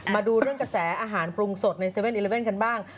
มาดูเรื่องกระแสอาหารปรุงสดใน๗๑๑กันบ้าง